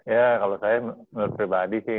ya kalau saya menurut pribadi sih